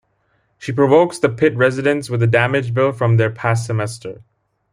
She provokes the Pit residents with a damage bill from their past semester.